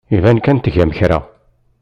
Iban kan tgam kra.